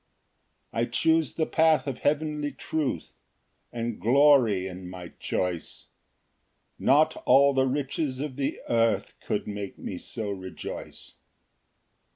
Ver. 30 14. 2 I choose the path of heavenly truth, And glory in my choice: Not all the riches of the earth Could make me so rejoice.